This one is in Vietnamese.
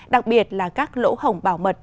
đặc biệt là các lỗ hồng bảo mật